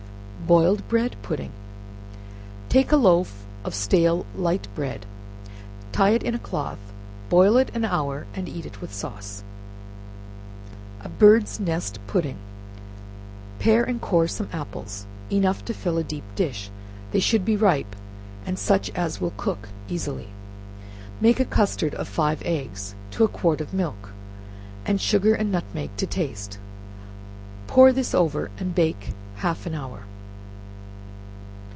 Boiled Bread Pudding. Take a loaf of stale light bread, tie it in a cloth, boil it an hour, and eat it with sauce. A Bird's Nest Pudding. Pare and core some apples, enough to fill a deep dish, they should be ripe, and such as will cook easily. Make a custard of five eggs, to a quart of milk, and sugar and nutmeg to taste; pour this over, and bake half an hour.